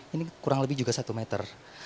ini kurang lebih juga satu meter